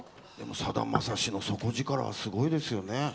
さだまさしの底力はすごいですよね。